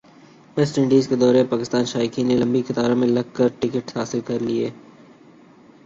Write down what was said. waste Indies کا دورہ پاکستان شائقین نے لمبی قطاروں میں لگ کر ٹکٹس حاصل کرلئے